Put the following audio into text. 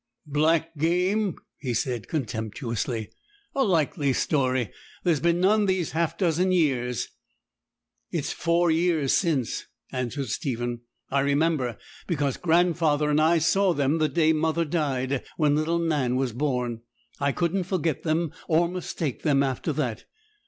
'Black game!' he said contemptuously. 'A likely story. There's been none these half dozen years.' 'It's four years since,' answered Stephen; 'I remember, because grandfather and I saw them the day mother died, when little Nan was born. I couldn't forget them or mistake them after that.